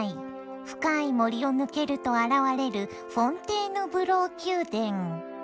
深い森を抜けると現れるフォンテーヌブロー宮殿。